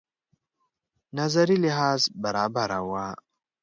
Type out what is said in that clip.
نظري لحاظ برابره وه.